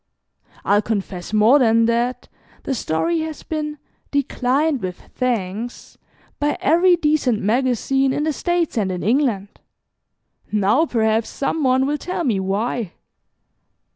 I'll confess more than that, the story has been 'declined with thanks' by every decent magazine in the States and in England. Now perhaps some one will tell me why."